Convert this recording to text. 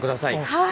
はい！